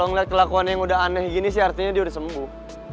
kalau ngeliat kelakuan yang udah aneh gini sih artinya dia udah sembuh